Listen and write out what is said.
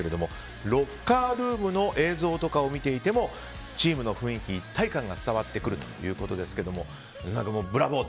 ロッカールームの映像とかを見ていてもチームの雰囲気、一体感が伝わってくるということですがブラボー！って